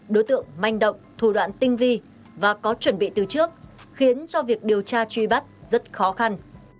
đối tượng manh động thủ đoạn tinh vi và có chuẩn bị từ trước khiến cho việc điều tra truy bắt rất khó khăn